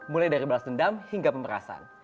mulai dari balas dendam hingga pemerasan